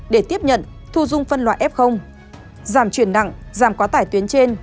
để tiếp nhận thu dung phân loại f giảm chuyển nặng giảm quá tải tuyến trên